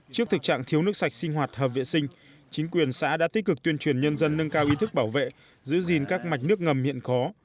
trước thực trạng thiếu nước sạch sinh hoạt hợp vệ sinh chính quyền xã đã tích cực tuyên truyền nhân dân nâng cao ý thức bảo vệ giữ gìn các mạch nước ngầm hiện có